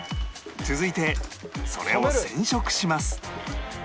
続いてそれを染色します